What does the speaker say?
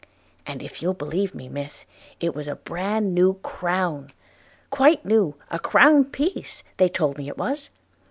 – and if you'll believe me, Miss, it was a brand new crown, quite new, a crown piece they told me it was.